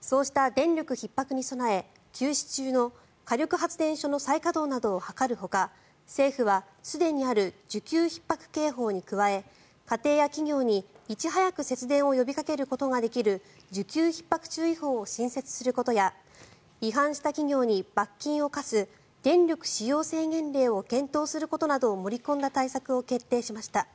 そうした電力ひっ迫に備え休止中の火力発電所の再稼働を図るほか政府は、すでにある需給ひっ迫警報に加え家庭や企業にいち早く節電を呼びかけることができる需給ひっ迫注意報を新設することや違反した企業に罰金を科す電力使用制限令を検討することを盛り込んだ対策を決定しました。